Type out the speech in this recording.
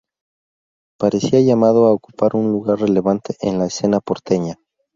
Parecía llamado a ocupar un lugar relevante en la escena porteña.